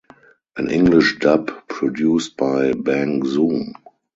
An English dub produced by Bang Zoom!